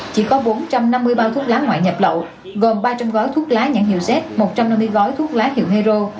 chỉ có bốn trăm năm mươi bao thuốc lá ngoại nhập lậu gồm ba trăm linh gói thuốc lá nhãn hiệu z một trăm năm mươi gói thuốc lá hiệu hero